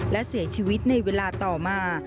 และเสียชีวิตในเวลาต่อมา